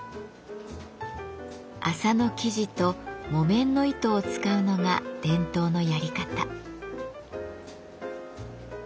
麻の生地と木綿の糸を使うのが伝統のやり方。